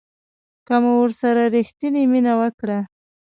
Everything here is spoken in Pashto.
که مو ورسره ریښتینې مینه وکړه